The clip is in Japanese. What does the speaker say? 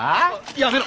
やめろ！